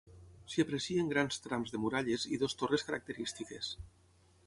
S'hi aprecien grans trams de muralles i dues torres característiques.